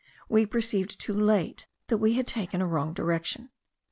We perceived too late that we had taken a wrong direction.